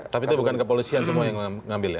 tapi itu bukan kepolisian semua yang mengambil ya